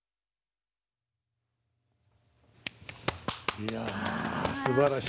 いやすばらしい。